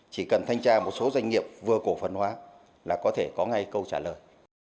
chỉ cần thanh tra một số doanh nghiệp vừa cổ phần hóa là có thể có ngay câu trả lời